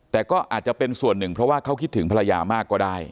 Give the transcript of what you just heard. แต่ก็อาจจะเป็นส่วนหนึ่งเพราะว่าเขาคิดถึงภรรยามากก็ได้